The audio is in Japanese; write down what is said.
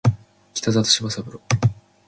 北里柴三郎